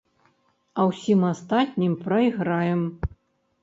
А ўсім астатнім прайграем.